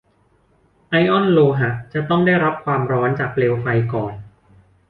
ไอออนโลหะจะต้องได้รับความร้อนจากเปลวไฟก่อน